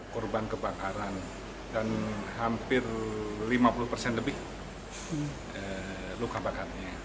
korban kebakaran dan hampir lima puluh persen lebih luka bakarnya